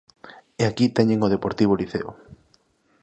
E aquí teñen o Deportivo Liceo.